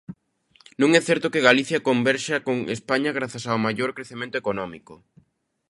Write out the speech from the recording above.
Non é certo que Galicia converxa con España grazas ao maior crecemento económico.